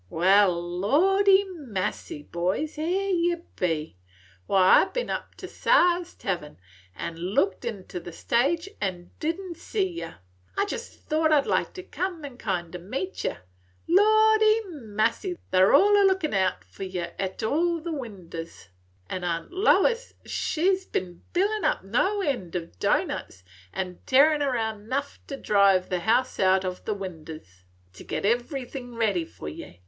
"Wal, lordy massy, boys! Here ye be! Why, I ben up to Siah's tahvern, an' looked inter the stage, an' did n't see yer. I jest thought I 'd like to come an' kind o' meet yer. Lordy massy, they 's all a lookin' out for yer 't all the winders; 'n' Aunt Lois, she 's ben bilin' up no end o' doughnuts, an' tearin' round 'nough to drive the house out o' the winders, to git everything ready for ye.